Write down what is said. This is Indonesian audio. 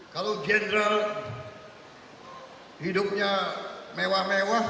kalau general hidupnya mewah mewah